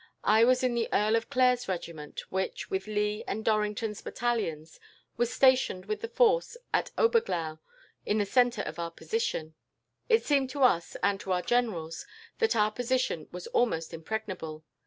I was in the Earl of Clare's regiment, which, with Lee and Dorrington's battalions, was stationed with the force in Oberglau in the centre of our position. It seemed to us, and to our generals, that our position was almost impregnable.